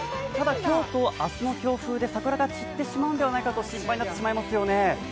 ただ今日と明日の強風で桜が散ってしまうのではないかと心配になってしまいますよね。